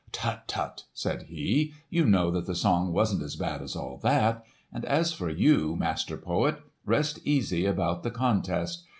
"Tut, tut!" said he. "You know that the song wasn't as bad as all that! And as for you, master poet, rest easy about the contest!